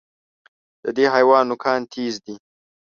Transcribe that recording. د دې حیوان نوکان تېز دي.